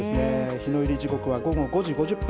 日の入り時刻は午後５時５０分。